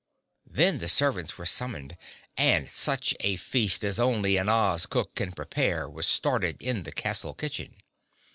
Then the servants were summoned and such a feast as only an Oz cook can prepare was started in the castle kitchen.